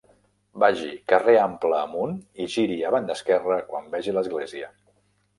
Vagi carrer Ample amunt i giri a banda esquerra quan vegi l'església.